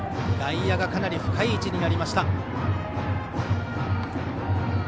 外野がかなり深い位置になりました。